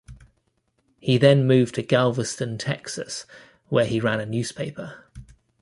He then moved to Galveston, Texas where he ran a newspaper.